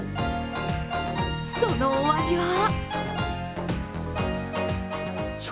そのお味は？